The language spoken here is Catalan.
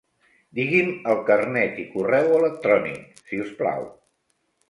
Digui'm el carnet i correu electrònic, si us plau.